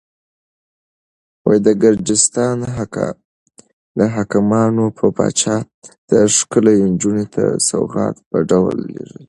د ګرجستان حاکمانو به پاچا ته ښکلې نجونې د سوغات په ډول لېږلې.